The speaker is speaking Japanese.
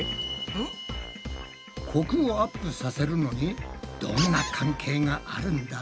コクをアップさせるのにどんな関係があるんだ？